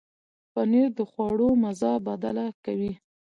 پنېر د خواړو مزه بدله کوي.